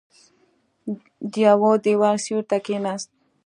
د يوه دېوال سيوري ته کېناست.